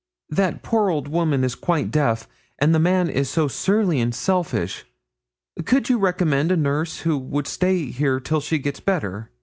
'That poor old woman is quite deaf, and the man is so surly and selfish! Could you recommend a nurse who would stay here till she's better?